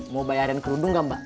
mau bayarin kerudung gak mbak